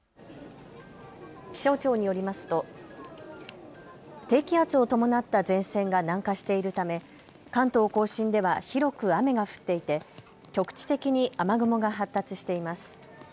気象庁によりますと低気圧を伴った前線が南下しているため関東甲信では広く雨が降っていて局地的に雨雲が発達しています。